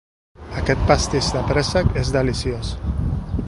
Aquest pastís de préssec és deliciós.